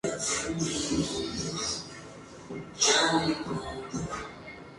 Como último deseo le dijo al rey que le llevara agua a sus padres.